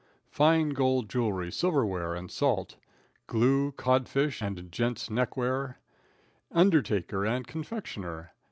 Fine Gold Jewelry, Silverware, and Salt. Glue, Codfish, and Gent's Neckwear. Undertaker and Confectioner.